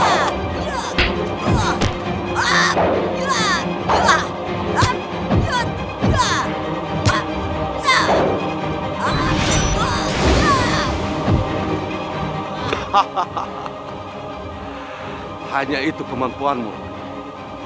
yang katanya kamu dapat dari kalamini